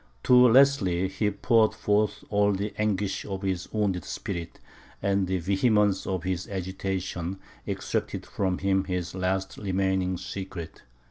To Leslie he poured forth all the anguish of his wounded spirit, and the vehemence of his agitation extracted from him his last remaining secret.